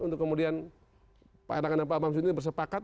untuk kemudian pak erlangga dan pak amsud ini bersepakat